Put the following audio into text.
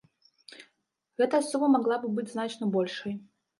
Гэтая сума магла б быць значна большай.